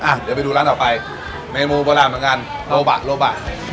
อ่ะเดี๋ยวไปดูร้านต่อไปเมนูประหลาดบางงานโลบะโลบะ